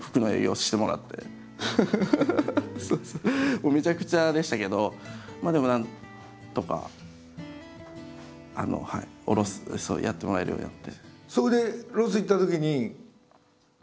もうめちゃくちゃでしたけどでもなんとか卸すってやってもらえるようになって。